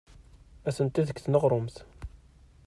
Atenti deg tneɣrumt.